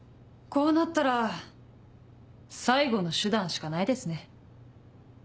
こうなったら最後の手段しかないですね。